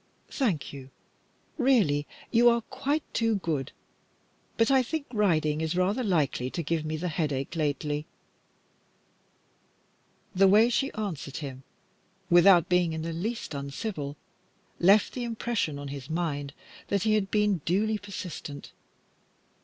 "Thank you. Really; you are quite too good, but I think riding is rather likely to give me the headache lately." The way she answered him, without being in the least uncivil, left the impression on his mind that he had been duly persistent.